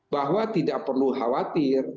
bahwa tidak perlu khawatir